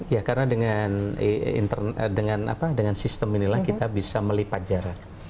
ya karena dengan sistem inilah kita bisa melipat jarak